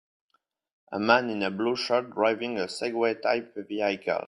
A man in a blue shirt driving a Segway type vehicle.